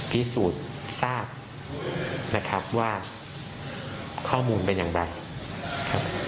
พิสูจน์ทราบนะครับว่าข้อมูลเป็นอย่างไรครับ